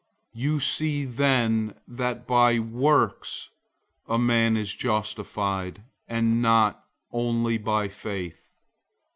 002:024 You see then that by works, a man is justified, and not only by faith.